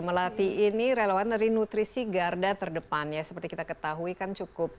melati ini relawan dari nutrisi garda terdepannya seperti kita ketahui kan cukup eufem